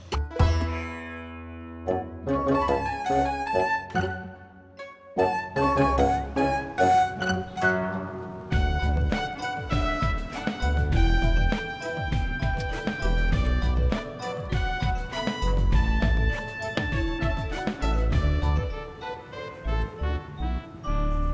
berhenti aku mau